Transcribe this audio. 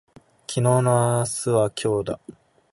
昨日の明日は今日だ